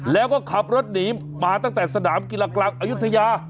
แล้วก็ขับรถหนีมาตั้งแต่สนามกีฬากลางอายุทยา